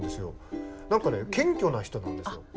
何かね謙虚な人なんですよ。